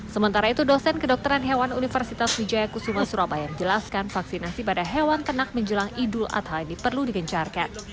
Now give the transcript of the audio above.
sementara itu dosen kedokteran hewan universitas wijaya kusuma surabaya menjelaskan vaksinasi pada hewan ternak menjelang idul adha ini perlu digencarkan